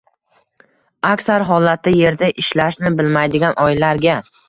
Aksar holatda yerda ishlashni bilmaydigan oilalarga